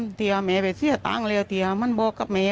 อันนี้คือเครียร์หลังเกิดเหตุงาน